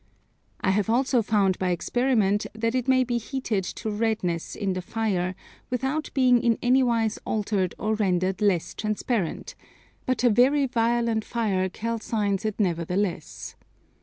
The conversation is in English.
I have also found by experiment that it may be heated to redness in the fire without being in anywise altered or rendered less transparent; but a very violent fire calcines it nevertheless.